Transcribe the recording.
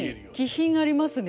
気品ありますね。